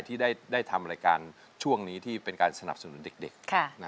ที่ได้ทำรายการช่วงนี้ที่เป็นการสนับสนุนเด็ก